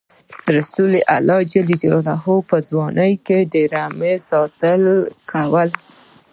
رسول الله ﷺ په ځوانۍ کې د رمو ساتنه یې کوله.